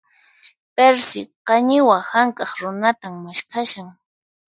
Perci, qañiwa hank'aq runatan maskhashan.